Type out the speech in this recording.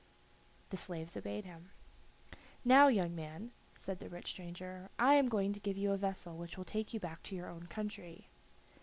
The slaves obeyed him. "Now, young man," said the rich stranger, "I am going to give you a vessel which will take you back to your own country."